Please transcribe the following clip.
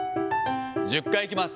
１０回いきます。